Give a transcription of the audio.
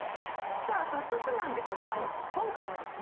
さあ早速なんですが今回はですね